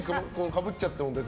かぶっちゃっても。